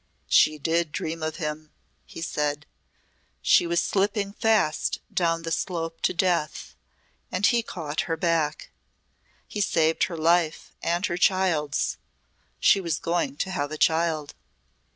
"She did dream of him," he said. "She was slipping fast down the slope to death and he caught her back. He saved her life and her child's. She was going to have a child."